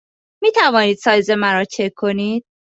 می توانید سایز مرا چک کنید؟